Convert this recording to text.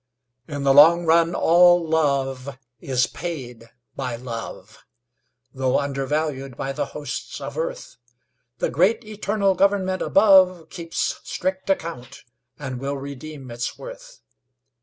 In the long run all love is paid by love, Though undervalued by the hosts of earth; The great eternal Government above Keeps strict account and will redeem its worth.